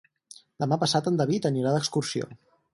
Demà passat en David anirà d'excursió.